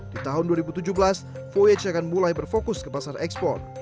di tahun dua ribu tujuh belas voyage akan mulai berfokus ke pasar ekspor